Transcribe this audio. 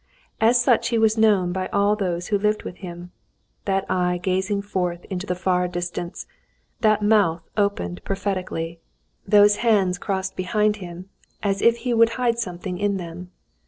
As such he was known by all those who lived with him, that eye gazing forth into the far distance, that mouth opened prophetically, those hands crossed behind him as if he would hide something in them.